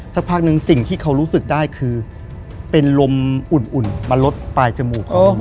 สักพักนึงสิ่งที่เขารู้สึกได้คือเป็นลมอุ่นมาลดปลายจมูก